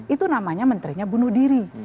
itu namanya menterinya bunuh diri